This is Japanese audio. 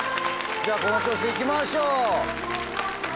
じゃあこの調子でいきましょう！